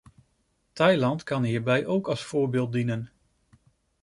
Thailand kan hierbij ook als voorbeeld dienen.